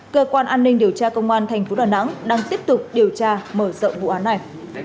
cơ quan an ninh điều tra công an tp đn đang tiếp tục điều tra mở rộng vụ án này